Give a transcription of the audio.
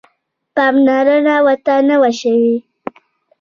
پاملرنه ورته نه وه شوې.